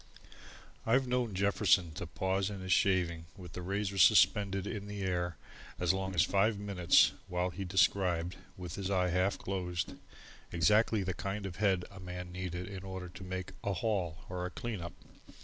I've known Jefferson to pause in his shaving with the razor suspended in the air as long as five minutes while he described, with his eye half closed, exactly the kind of a head a man needed in order to make a "haul" or a "clean up."